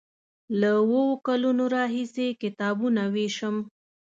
له اوو کلونو راهیسې کتابونه ویشم.